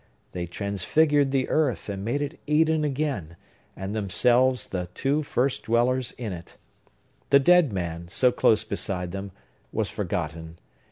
They transfigured the earth, and made it Eden again, and themselves the two first dwellers in it. The dead man, so close beside them, was forgotten.